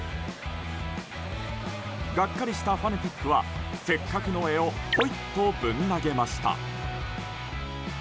がっかりしたファナティックはせっかくの絵をポイッとぶん投げました。